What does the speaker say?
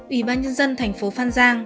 ủy ban nhân dân thành phố phan giang